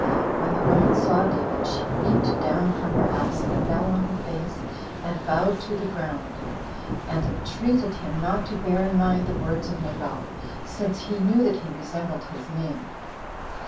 When the woman saw David, she leaped down from her ass, and fell on her face, and bowed down to the ground; and entreated him not to bear in mind the words of Nabal, since he knew that he resembled his name.